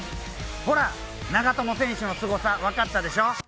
ほら長友選手のすごさわかったでしょ？